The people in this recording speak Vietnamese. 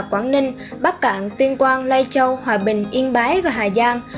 quảng ninh bắc cạn tuyên quang lai châu hòa bình yên bái và hà giang